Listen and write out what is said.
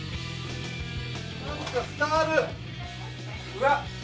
うわっ。